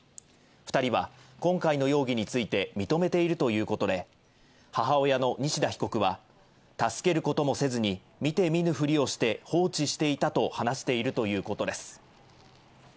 ２人は今回の容疑について認めているということで、母親の西田被告は、助けることもせずに見て見ぬふりをして放置していたと話しているということです。